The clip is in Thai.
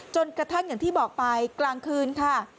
จนกระทั่งอย่างที่บอกไปกลางคืนค่ะ